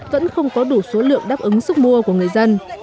vẫn không có đủ số lượng đáp ứng sức mua của người dân